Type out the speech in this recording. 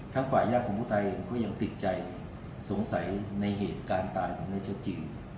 ทั้งฝ่ายญาติของผู้ตายเองก็ยังติดใจสงสัยในเหตุการณ์ตายของในจจือ